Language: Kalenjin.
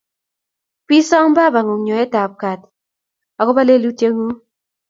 Pii som papang'ung' nyoet ap kaat akopo lelutyeng'ung'.